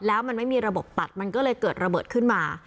แล้วมันไม่มีระบบตัดมันก็เลยเกิดระเบิดขึ้นมา